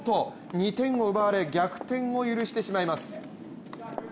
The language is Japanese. ２点を奪われ逆転を許してしまいます。